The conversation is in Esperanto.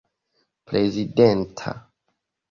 prezidenta